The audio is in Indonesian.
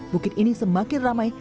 bukit ini semakin ramai